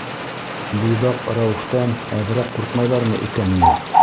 Буйҙаҡ Рәүефтән әҙерәк ҡурҡмайҙармы икән ни?